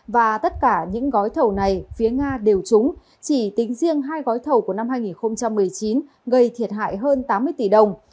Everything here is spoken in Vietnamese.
và tất cả những gói thầu này phía nga đều trúng chỉ tính riêng hai gói thầu của năm hai nghìn một mươi chín gây thiệt hại hơn tám mươi tỷ đồng